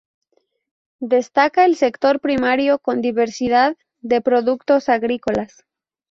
Destaca el sector primario con diversidad de productos agrícolas.